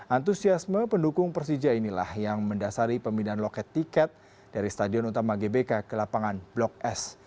antusiasme pendukung persija inilah yang mendasari pemindahan loket tiket dari stadion utama gbk ke lapangan blok s